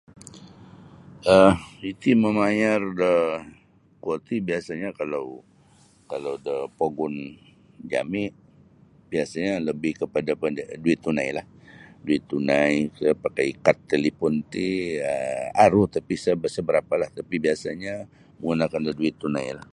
um Iti mamayar da kuo ti biasa'nyo kalau kalau da pogun jami' biasa'nyo lebih kepada benda duit tunailah duit tunai tiyo pakai kad talipon ti aru tapi' sa barapa'lah tapi' biasa'nyo menggunakan da duit tunailah.